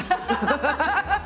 ハハハハ！